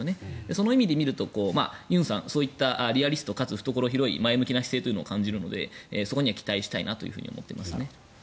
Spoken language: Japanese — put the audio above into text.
その意味で見ると尹さんはリアリストかつ懐広い前向きな姿勢というのを感じるのでそこには期待したいなと思いますね。